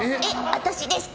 私ですか？